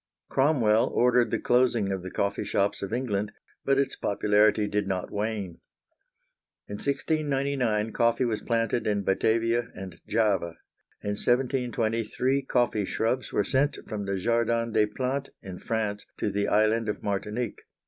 Cromwell ordered the closing of the coffee shops of England, but its popularity did not wane. In 1699 coffee was planted in Batavia and Java. In 1720 three coffee shrubs were sent from the Jardin des Plantes in France to the Island of Martinique.